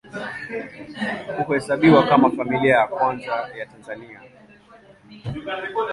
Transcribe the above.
Huhesabiwa kama Familia ya Kwanza ya Tanzania.